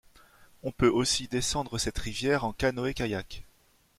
On peut aussi descendre cette rivière en canoë-kayak.